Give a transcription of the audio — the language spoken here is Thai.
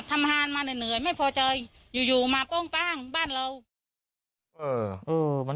ทำห้านมาเหนื่อยเหนื่อยไม่พอใจอยู่อยู่มาป้องป้างบ้านเรา